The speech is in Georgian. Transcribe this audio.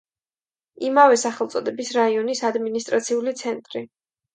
იმავე სახელწოდების რაიონის ადმინისტრაციული ცენტრი.